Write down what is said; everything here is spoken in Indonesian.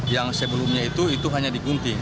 yang sebelumnya itu hanya digunting